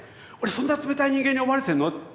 そんなに冷たい人間に思われてるの？